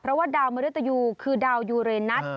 เพราะว่าดาวมริตยูคือดาวยูเรนัท